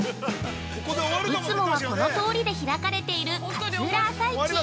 ◆いつもは、この通りで開かれている勝浦朝市。